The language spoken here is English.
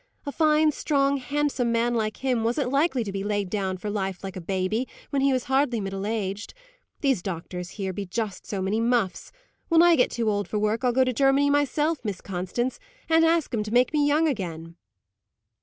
"A fine, strong, handsome man, like him, wasn't likely to be laid down for life like a baby, when he was hardly middle aged. These doctors here be just so many muffs. When I get too old for work, I'll go to Germany myself, Miss Constance, and ask 'em to make me young again."